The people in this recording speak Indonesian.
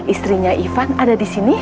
istrinya ivan ada disini